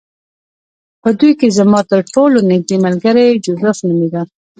په دوی کې زما ترټولو نږدې ملګری جوزف نومېده